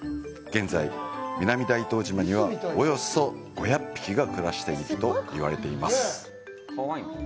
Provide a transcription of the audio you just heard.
現在、南大東島には、およそ５００匹が暮らしていると言われています。